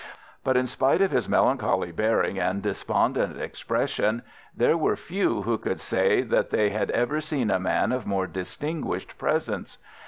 But in spite of his melancholy bearing and despondent expression, there were few who could say that they had ever seen a man of more distinguished presence.